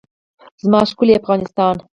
زما ښکلی افغانستان.